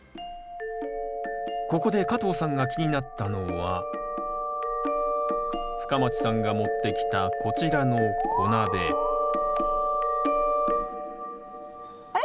ここで加藤さんが気になったのは深町さんが持ってきたこちらの小鍋あれ？